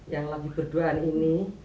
yang lagi berduaan ini